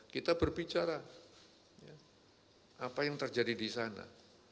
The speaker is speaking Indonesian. kita berbicara apa yang terjadi di sana